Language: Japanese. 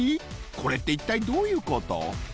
これって一体どういうこと？